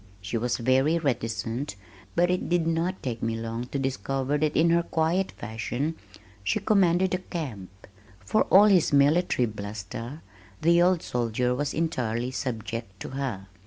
She was very reticent, but it did not take me long to discover that in her quiet fashion she commanded the camp. For all his military bluster, the old soldier was entirely subject to her.